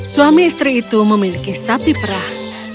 suami istri itu memiliki sapi perah